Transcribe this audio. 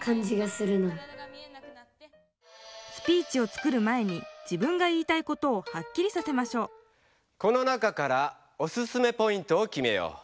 スピーチを作る前に自分が言いたいことをはっきりさせましょうこの中からオススメポイントをきめよう。